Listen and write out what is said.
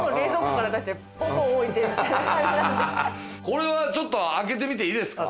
これはちょっと開けてみていいですか？